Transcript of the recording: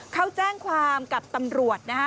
เขาแจ้งความกับตำรวจนะฮะ